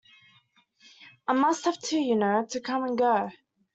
I must have two, you know—to come and go.